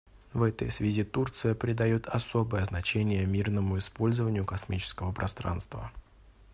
В этой связи Турция придает особое значение мирному использованию космического пространства.